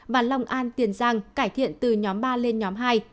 và long an tiền giang cải thiện từ nhóm ba lên nhóm hai